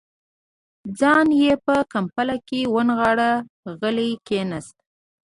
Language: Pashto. ځان يې په کمپله کې ونغاړه، غلی کېناست.